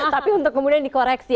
tapi untuk kemudian dikoreksi